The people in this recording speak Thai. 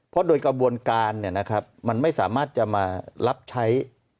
เพราะโดยกระบวนการมันไม่สามารถจะมารับใช้